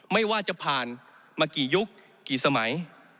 ไม่ว่าจะผ่านมากี่ยุคกี่สมัย